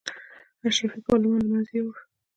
اشرافي پارلمان له منځه یې یووړ.